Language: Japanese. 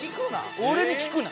「俺に聞くな」。